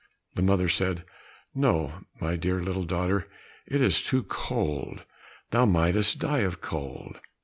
The mother said, "No, my dear little daughter, it is too cold, thou mightest die of cold."